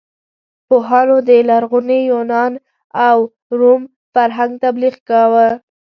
پوهانو د لرغوني یونان او روم فرهنګ تبلیغ کاوه.